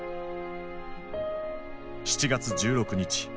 ７月１６日。